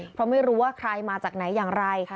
เพราะไม่รู้ว่าใครมาจากไหนอย่างไร